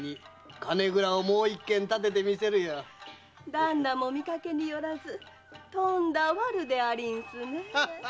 旦那も見かけによらずとんだワルでありんすねえ。